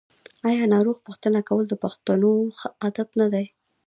آیا ناروغ پوښتنه کول د پښتنو ښه عادت نه دی؟